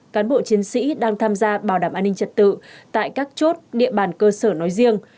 cán bộ chiến sĩ đang tham gia bảo đảm an ninh trật tự tại các chốt địa bàn cơ sở nói riêng